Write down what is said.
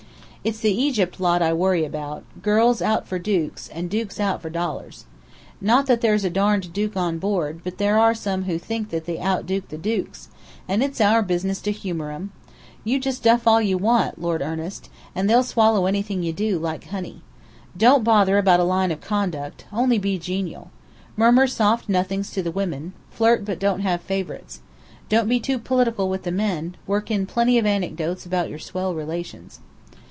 It's the Egypt lot I worry about: girls out for dukes, and dukes out for dollars. Not that there's a darned duke on board, but there are some who think they out duke the dukes, and it's our business to humour 'em. You just duff all you want to, Lord Ernest, they'll swallow anything you do, like honey. Don't bother about a line of conduct: only be genial. Murmur soft nothings to the women; flirt but don't have favourites. Don't be too political with the men: work in plenty of anecdotes about your swell relations."